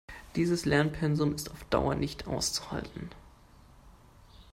Dieses Lernpensum ist auf Dauer nicht auszuhalten.